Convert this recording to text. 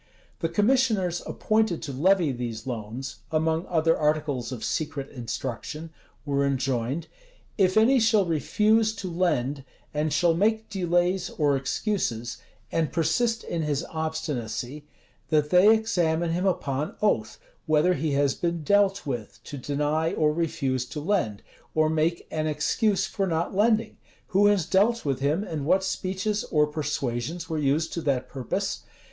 The commissioners appointed to levy these loans, among other articles of secret instruction, were enjoined, "If any shall refuse to lend, and shall make delays or excuses, and persist in his obstinacy, that they examine him upon oath, whether he has been dealt with to deny or refuse to lend, or make an [excuse] for not lending? Who has dealt with him, and what speeches or persuasions were used to that purpose?